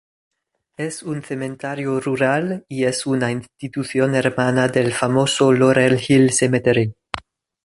Es un cementerio rural y es una institución hermana del famoso Laurel Hill Cemetery.